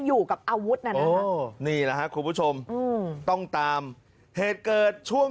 อยู่กับอาวุธน่ะนะนี่แหละครับคุณผู้ชมอืมต้องตามเหตุเกิดช่วง